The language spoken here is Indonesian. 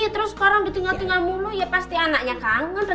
terus sekarang ditinggal tinggal mulu ya pasti anaknya kangen